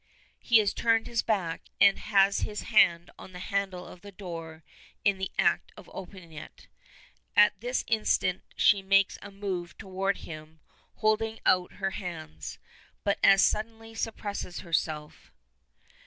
He has turned his back, and has his hand on the handle of the door in the act of opening it. At this instant she makes a move toward him, holding out her hands, but as suddenly suppresses herself.